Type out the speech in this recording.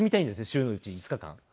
週のうち５日間。